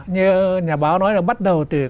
như nhà báo nói là bắt đầu từ